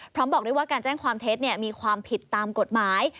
บอกด้วยว่าการแจ้งความเท็จมีความผิดตามกฎหมาย